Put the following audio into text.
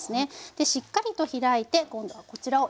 でしっかりと開いて今度はこちらを焼いていきます。